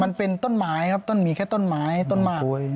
มันเป็นต้นไม้ครับต้นหมีแค่ต้นไม้ต้นมาก